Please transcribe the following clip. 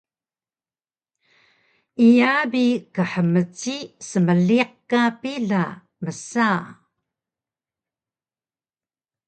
“Iya bi khmci smeeliq ka pila” msa